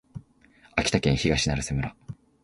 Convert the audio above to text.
秋田県東成瀬村